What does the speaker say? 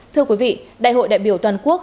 thưa quý vị đại hội đại biểu toàn quốc